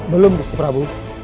belum gusti prabu